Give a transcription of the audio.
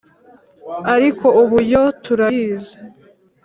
Ariko ubu yo turayizi